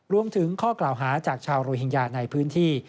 รวมถึงข้อกล่าวหาจากชาวโรฮิงญาในพื้นที่